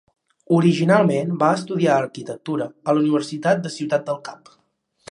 Originalment va estudiar arquitectura a la Universitat de Ciutat del Cap.